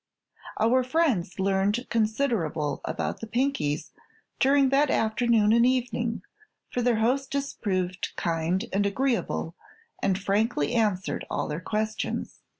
Our friends learned considerable about the Pinkies during that afternoon and evening, for their hostess proved kind and agreeable and frankly answered all their questions.